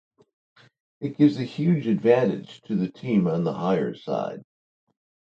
It gives a huge advantage to the team on the higher side.